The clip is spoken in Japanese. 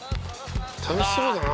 「楽しそうだな。